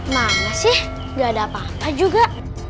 mana sih gak ada apa apa juga